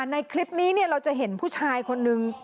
ในคลิปนี้เราจะเห็นผู้ชายคนนึง